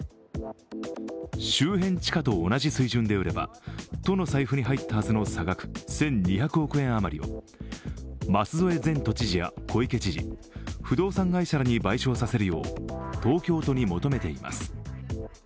周辺地価と同じ水準で売れば都の財布に入ったはずの差額、１２００億円余りを舛添前都知事や小池都知事、不動産会社らに賠償させるよう東京都に求めています。